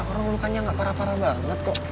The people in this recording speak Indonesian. orang lukanya nggak parah parah banget kok